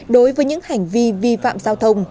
đối với những hành vi vi phạm giao thông